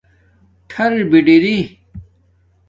ٹھار بڑئ